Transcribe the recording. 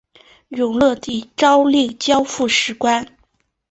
永乐帝诏令交付史官。